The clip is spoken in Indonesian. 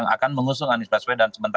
akan mengusung anies baswe dan